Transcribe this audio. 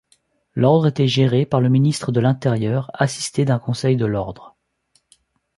L'ordre était géré par le ministre de l'Intérieur, assisté d'un Conseil de l'ordre.